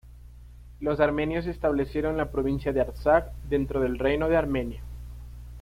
Los armenios establecieron la provincia de Artsaj dentro del Reino de Armenia.